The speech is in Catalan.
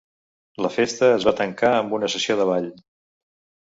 La festa es va tancar amb una sessió de ball.